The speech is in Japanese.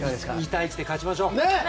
２対１で勝ちましょう！